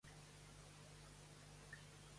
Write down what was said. Com s'avisa que han mort homes avariciosos?